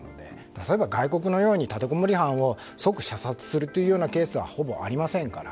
例えば、外国のように立てこもり犯を即射殺するケースはほぼありませんから。